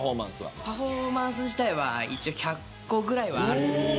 パフォーマンス自体は１００個ぐらいはあります。